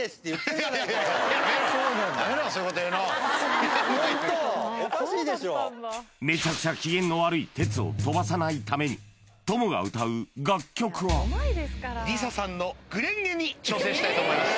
だってホントめちゃくちゃ機嫌の悪いテツをとばさないためにトモが歌う楽曲はＬｉＳＡさんの「紅蓮華」に挑戦したいと思います